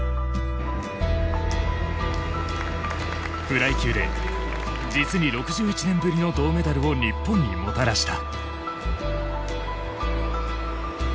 フライ級で実に６１年ぶりの銅メダルを日本にもたらした。